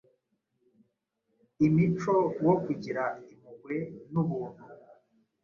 imico wo kugira impuhwe n’ubuntu